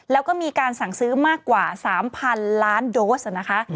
แล้วก็มีการสั่งซื้อมากกว่า๓๐๐๐ล้านโดสนะคะ